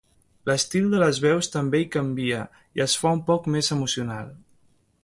L'estil de les veus també hi canvia i es fa un poc més emocional.